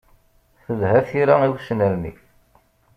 Telha tira i usnerni.